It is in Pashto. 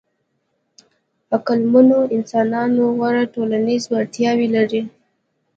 عقلمنو انسانانو غوره ټولنیزې وړتیاوې لرلې.